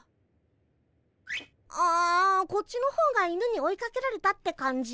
あこっちの方が犬に追いかけられたって感じ。